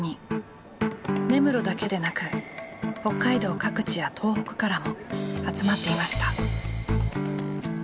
根室だけでなく北海道各地や東北からも集まっていました。